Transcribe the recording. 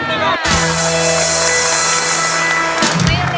ไปเล่นได้อย่างไร